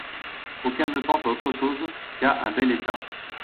Aucun ne pense à autre chose qu’à un bel état.